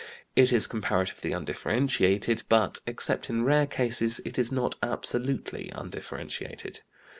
It is comparatively undifferentiated, but except in rare cases it is not absolutely undifferentiated.